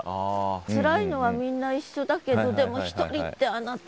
つらいのはみんな一緒だけどでも１人ってあなた。